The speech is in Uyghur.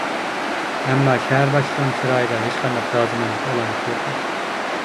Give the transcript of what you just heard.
ئەمما، شەھەر باشلىقىنىڭ چىرايىدا ھېچقانداق رازىمەنلىك ئالامىتى يوقمىش.